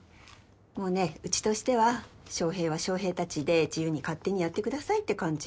もうねうちとしては翔平は翔平たちで自由に勝手にやってくださいって感じよ。